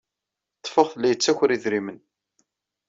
Ḍḍfeɣ-t la yettaker idrimen.